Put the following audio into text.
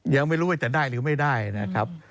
ยังไม่รู้ว่าจะได้หรือไม่ได้นะครับ